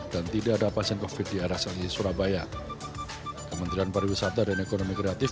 dan tidak ada pasien kofit di rssi surabaya kementerian pariwisata dan ekonomi kreatif